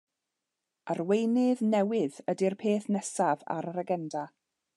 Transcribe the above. Arweinydd newydd ydi'r peth nesaf ar yr agenda.